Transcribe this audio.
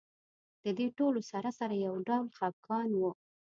د دې ټولو سره سره یو ډول خپګان و.